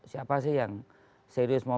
siapa sih yang serius mau